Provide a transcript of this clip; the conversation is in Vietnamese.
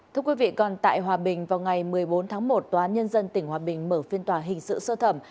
thưa quý vị còn tại hòa bình vào ngày một mươi bốn tháng một tòa án nhân dân tỉnh hòa bình mở phiên tòa hình sự sơ thẩm